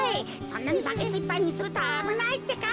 そんなにバケツいっぱいするとあぶないってか。